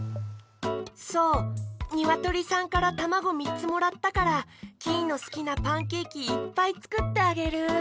そうにわとりさんからたまごみっつもらったからキイのすきなパンケーキいっぱいつくってあげる。